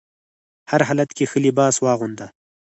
هر حالت کې ښه لباس واغونده.